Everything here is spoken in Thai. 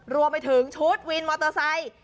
รวมไปถึงชุดวินมอเตอร์ไซค์